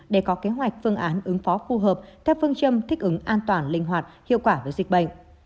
để có kế hoạch phương án ứng phó phù hợp theo phương châm thích ứng an toàn linh hoạt hiệu quả với dịch bệnh